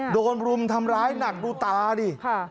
รุมทำร้ายหนักดูตาดิ